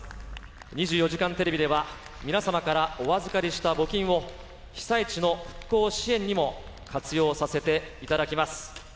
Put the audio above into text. ２４時間テレビでは、皆様からお預かりした募金を、被災地の復興支援にも活用させていただきます。